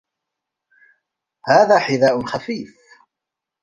هذا حذاء خفيف.